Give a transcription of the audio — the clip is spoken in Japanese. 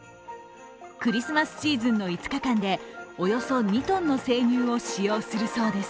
クリスマスシーズンの５日間でおよそ２ｔの生乳を使用するそうです。